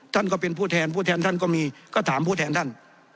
ท่านก็เป็นผู้แทนผู้แทนท่านก็มีก็ถามผู้แทนท่าน